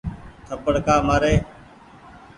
ٿپڙ ڪآ مآ ري ۔